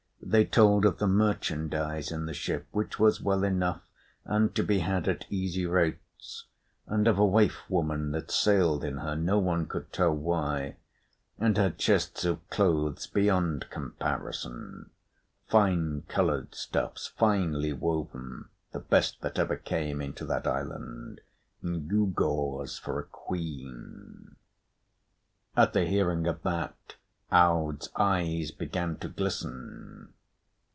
They told of the merchandise in the ship, which was well enough and to be had at easy rates, and of a waif woman that sailed in her, no one could tell why, and had chests of clothes beyond comparison, fine coloured stuffs, finely woven, the best that ever came into that island, and gewgaws for a queen. At the hearing of that Aud's eyes began to glisten.